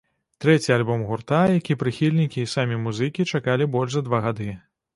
Трэці альбом гурта, які прыхільнікі і самі музыкі чакалі больш за два гады.